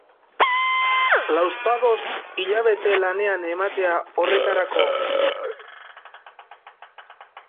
Lauzpabost hilabete lanean ematea horretarako...